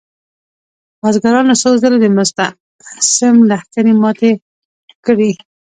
بزګرانو څو ځلې د مستعصم لښکرې ماتې کړې.